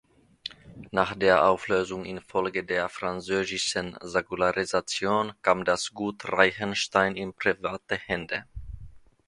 Nach der Auflösung infolge der französischen Säkularisation kam das Gut Reichenstein in private Hände.